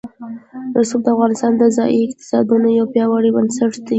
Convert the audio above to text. رسوب د افغانستان د ځایي اقتصادونو یو پیاوړی بنسټ دی.